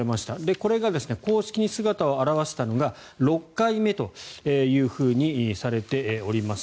これが公式に姿を現したのが６回目というふうにされています。